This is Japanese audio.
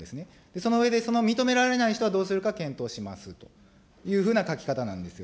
その上で、その認められない人はどうするか検討しますというふうな書き方なんですよ。